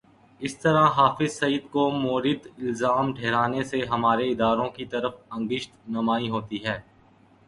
اس طرح حافظ سعید کو مورد الزام ٹھہرانے سے ہمارے اداروں کی طرف انگشت نمائی ہوتی ہے۔